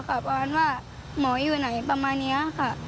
ประมาณว่าหมออยู่ไหนประมาณนี้ค่ะ